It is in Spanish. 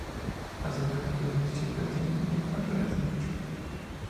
A su vez, las dos chicas tienden a pelearse mucho.